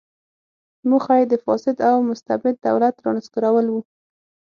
موخه یې د فاسد او مستبد دولت رانسکورول و.